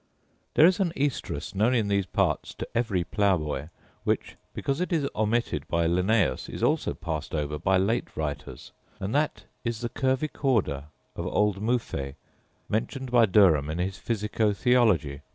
There is an oestrus, known in these parts to every ploughboy; which, because it is omitted by Linnaeus, is also passed over by late writers, and that is the curvicauda of old Moufet, mentioned by Derham in his Physico theology, p.